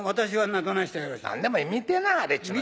何でもいい見てなはれ。